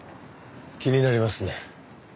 気になりますね。